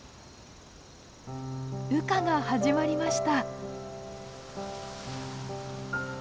羽化が始まりました。